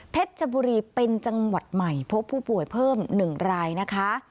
ชบุรีเป็นจังหวัดใหม่พบผู้ป่วยเพิ่ม๑รายนะคะ